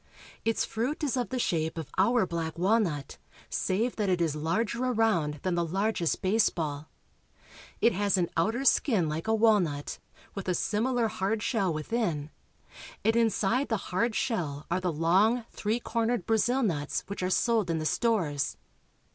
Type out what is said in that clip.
Its fruit is of the shape of our black walnut, save that it is larger around than the largest baseball. It has an outer skin like a walnut, with a similar hard shell within, and inside the hard shell are the long, three cornered Brazil nuts which are sold in the stores.